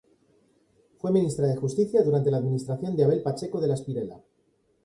Fue ministra de Justicia durante la administración de Abel Pacheco de la Espriella.